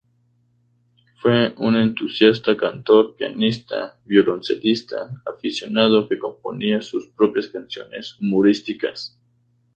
Fue un entusiasta cantor, pianista y violoncelista aficionado que componía sus propias canciones humorísticas.